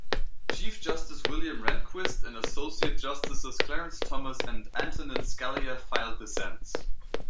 Chief Justice William Rehnquist, and Associate Justices Clarence Thomas, and Antonin Scalia filed dissents.